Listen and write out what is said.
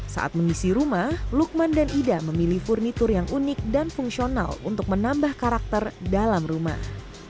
saat mengisi rumah lukman dan ida memilih furnitur yang unik dan fungsional untuk menambah karakter dalam rumah